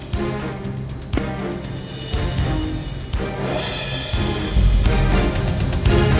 kuah kesetakan si penjajah dirinya